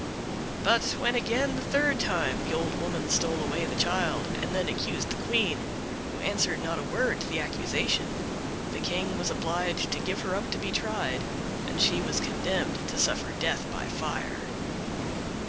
But when again the third time the old woman stole away the child, and then accused the Queen, who answered her not a word to the accusation, the King was obliged to give her up to be tried, and she was condemned to suffer death by fire.